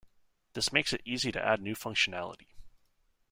This makes it easy to add new functionality.